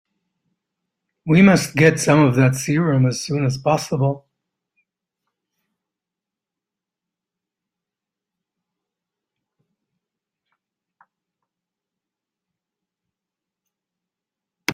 We must get some of that serum as soon as possible.